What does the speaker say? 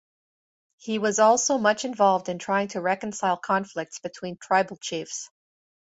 He was also much involved in trying to reconcile conflicts between tribal chiefs.